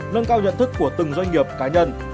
nâng cao nhận thức của từng doanh nghiệp cá nhân